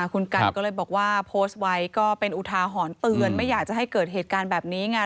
คุณกันก็เลยบอกว่าโพสต์ไว้ก็เป็นอุทาหรณ์เตือนไม่อยากจะให้เกิดเหตุการณ์แบบนี้ไง